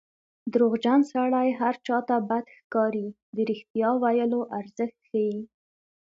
دروغجن سړی هر چا ته بد ښکاري د رښتیا ویلو ارزښت ښيي